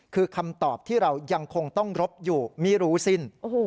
คือคำตอบที่เรายังคงต้องรบอยู่ไม่รู้สิ้น